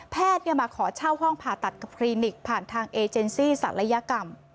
มาขอเช่าห้องผ่าตัดกับคลินิกผ่านทางเอเจนซี่ศัลยกรรม